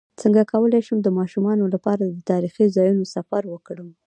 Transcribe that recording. څنګه کولی شم د ماشومانو لپاره د تاریخي ځایونو سفر وکړم